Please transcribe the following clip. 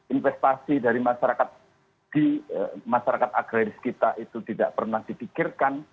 investasi dari masyarakat agraris kita itu tidak pernah dipikirkan